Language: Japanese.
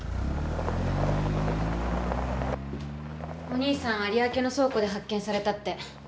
お兄さん有明の倉庫で発見されたって。